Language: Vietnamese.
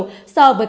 so với các biến chủng